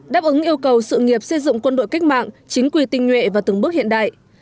đáp ứng yêu cầu sự nghiệp xây dựng quân đội cách mạng chính quy tinh nhuệ và từng bước hiện đại